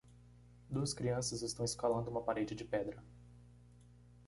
Duas crianças estão escalando uma parede de pedra.